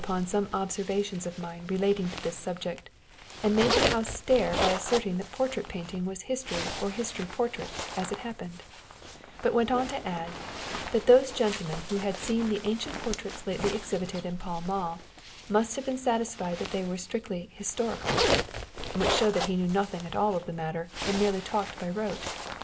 159 and made the House stare by asserting that portrait painting was history or history portrait, as it happened ; but went on to add, " That those gentlemen who had seen the ancient portraits lately exhibited in Pall Mall, must have been satisfied that they were strictly historical ;" which showed that he knew nothing at all of the matter, and merely talked by rote.